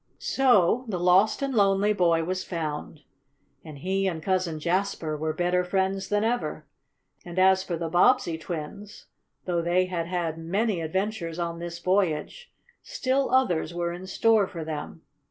So the lost and lonely boy was found, and he and Cousin Jasper were better friends than ever. And as for the Bobbsey twins, though they had had many adventures on this voyage, still others were in store for them.